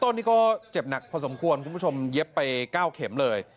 ต้นนี้ก็เจ็บหนักพอสมควรคุณผู้ชมเย็บไป๙เข็มเลย